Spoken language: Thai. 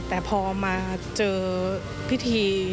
แต่พอมาเจอพิธี